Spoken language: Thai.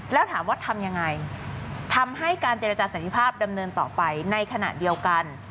แล้วถามว่าทำยังไงทำให้การเจรจาสันติภาพดำเนินต่อไปในขณะเดียวกัน